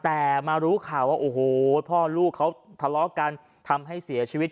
แต่มารู้ข่าวว่าโอ้โหพ่อลูกเขาทะเลาะกันทำให้เสียชีวิต